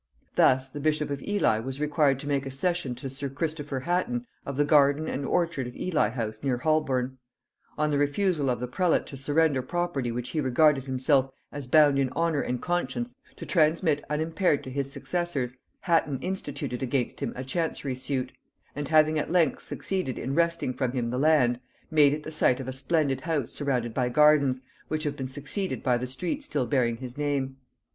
Thus the bishop of Ely was required to make a cession to sir Christopher Hatton of the garden and orchard of Ely house near Holborn; on the refusal of the prelate to surrender property which he regarded himself as bound in honor and conscience to transmit unimpaired to his successors, Hatton instituted against him a chancery suit; and having at length succeeded in wresting from him the land, made it the site of a splendid house surrounded by gardens, which have been succeeded by the street still bearing his name.